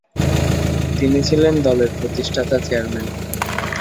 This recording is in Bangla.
তিনি ছিলেন দলের প্রতিষ্ঠাতা চেয়ারম্যান।